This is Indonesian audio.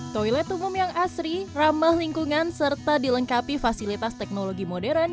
toilet umum yang asri ramah lingkungan serta dilengkapi fasilitas teknologi modern